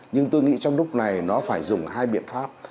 nhưng tôi nghĩ trong lúc này nó phải dùng hai biện pháp